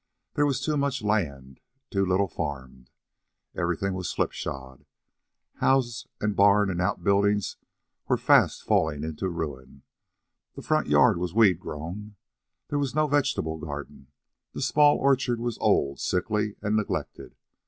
There was too much land too little farmed. Everything was slipshod. House and barn and outbuildings were fast falling into ruin. The front yard was weed grown. There was no vegetable garden. The small orchard was old, sickly, and neglected.